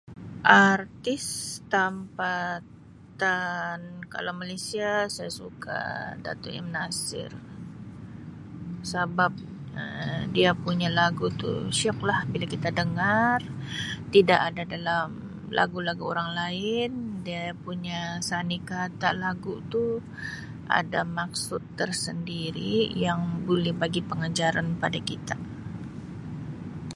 Artis tampatan kalau Malaysia saya suka Dato' M.Nasir sabab dia punya lagu tu sioklah bila kita dengar, tidak ada dalam lagu-lagu orang lain dia punya sani kata lagu tu ada maksud tersendiri yang boleh bagi pengajaran pada kita.